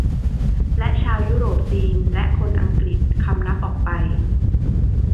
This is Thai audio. และชาวยุโรปจีนและคนอังกฤษคำนับออกไป